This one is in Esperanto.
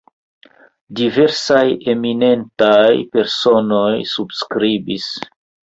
Diversaj eminentaj personoj subskribis.